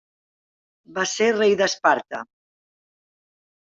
Va ser rei d'Esparta.